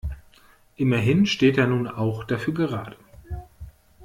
Immerhin steht er nun auch dafür gerade.